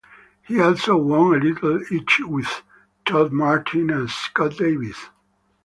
He also won a title each with Todd Martin and Scott Davis.